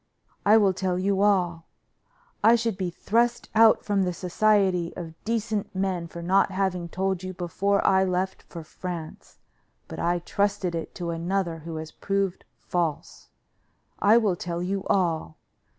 I will tell you all: I should be thrust out from the society of decent men for not having told you before I left for France, but I trusted it to another who has proved false. I will tell you all.